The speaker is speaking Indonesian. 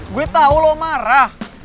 gue tau lo marah